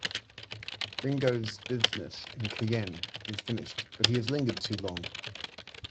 Ringo's business in Cayenne is finished, but he has lingered too long.